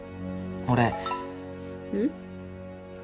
俺うん？